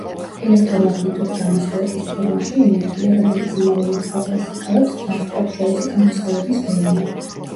ელექტრომაგნიტური გამოსხივების ფორმაში ენერგია, რომელიც იმავე მოცულობას იკავებს, ვარსკვლავთშორისი გამოსხივების ველია.